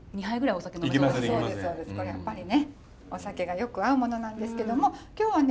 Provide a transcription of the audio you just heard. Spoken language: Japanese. これやっぱりねお酒がよく合うものなんですけども今日はね